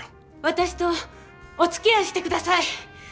私とおつきあいしてください。